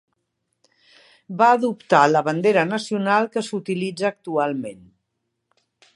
Va adoptar la bandera nacional que s'utilitza actualment.